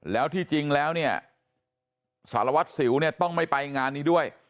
แล้วที่จริงแล้วสารวัตรสิวต้องไม่ไปงานนี้ด้วย